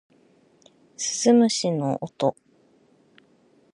鈴虫の音